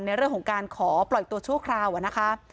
ในเรื่องของการขอปล่อยตัวชั่วคราวนะคะ